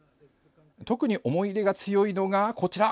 特に思い入れが強いのが、こちら。